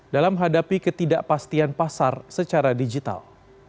dalam menghadapi ketidakpastian pasar secara digital